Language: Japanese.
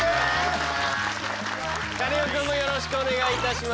カネオくんもよろしくお願いいたします。